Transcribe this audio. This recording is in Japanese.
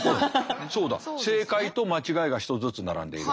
正解と間違いが１つずつ並んでいる。